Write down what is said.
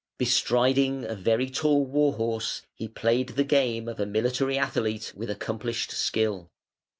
Bestriding a very tall war horse he played the game of a military athlete with accomplished skill.